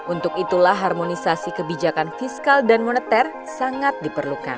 untuk itulah harmonisasi kebijakan fiskal dan moneter sangat diperlukan